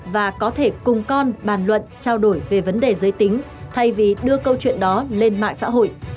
và có thể cùng con bàn luận trao đổi về vấn đề giới tính thay vì đưa câu chuyện đó lên mạng xã hội